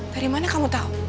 dari mana kamu tahu